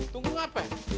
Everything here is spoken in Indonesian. tunggu apa ya